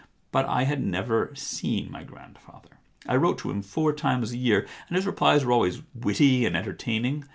But I had never seen my grand father. I wrote to him four times a year, and his replies were always witty and enter taining.